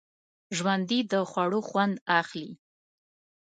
ژوندي د خوړو خوند اخلي